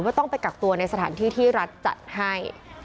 ต้องไปกักตัวในสถานที่ที่รัฐจัดให้